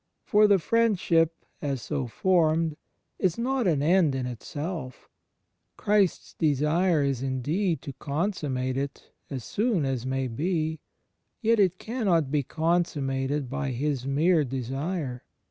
For the Friendship, as so formed, is not an end in itself. Christ's desire is indeed to consununate it as soon as may be; yet it cannot be consummated by His mere desire.